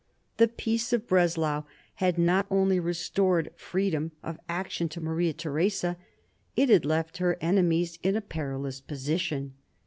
The Peace of Breslau had not only restored freedom of action to Maria Theresa, it had left her enemies in a perilous position.